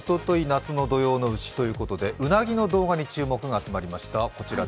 夏の土用の丑ということでうなぎの動画に注目が集まりました。